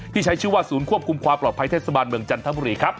ใช้ชื่อว่าศูนย์ควบคุมความปลอดภัยเทศบาลเมืองจันทบุรีครับ